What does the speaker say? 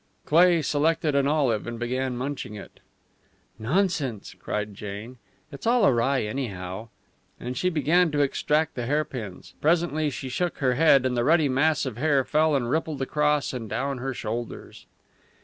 Cleigh selected an olive and began munching it. "Nonsense!" cried Jane. "It's all awry anyhow." And she began to extract the hairpins. Presently she shook her head, and the ruddy mass of hair fell and rippled across and down her shoulders.